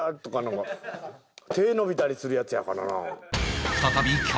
手ぇ伸びたりするヤツやからな。